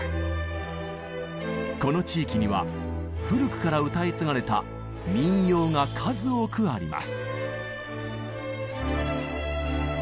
この地域には古くから歌い継がれた民謡が数多くあります。